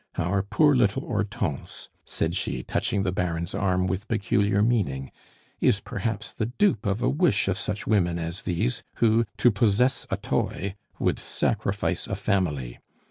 Our poor little Hortense," said she, touching the Baron's arm, with peculiar meaning, "is perhaps the dupe of a wish of such women as these, who, to possess a toy, would sacrifice a family.